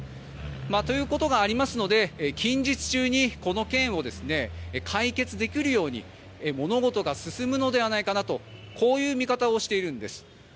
ということがありますので近日中にこの件を解決できるように物事が進むのではないかという見方をしているんです。